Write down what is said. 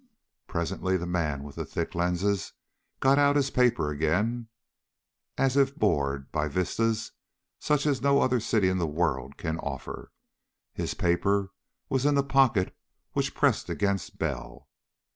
Presently the man with the thick lenses got out his paper again, as if bored by vistas such as no other city in the world can offer. His paper was in the pocket which pressed against Bell.